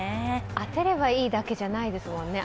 当てればいいだけじゃないですもんね。